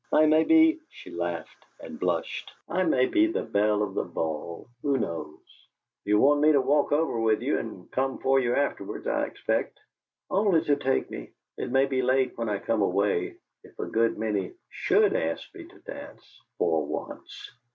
I may be" she laughed and blushed "I may be the belle of the ball who knows!" "You'll want me to walk over with you and come for you afterwards, I expect." "Only to take me. It may be late when I come away if a good many SHOULD ask me to dance, for once!